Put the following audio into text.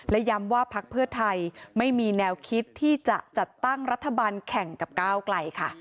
และย้ำว่าพักเพื่อไทยไม่มีแนวคิดที่จะจัดตั้งรัฐบาลแข่งกับก้าวไกลค่ะ